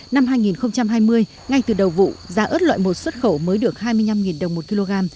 năm hai nghìn hai mươi ngay từ đầu vụ giá ớt loại một xuất khẩu mới được hai mươi năm đồng một kg